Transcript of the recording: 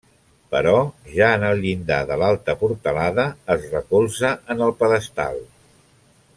Però, ja en el llindar de l'alta portalada, es recolzà en el pedestal.